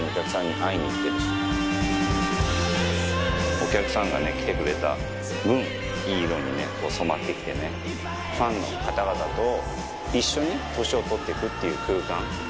お客さんが来てくれた分いい色に染まって来てファンの方々と一緒に年を取って行くっていう空間。